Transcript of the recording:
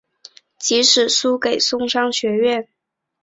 即使输给松商学园。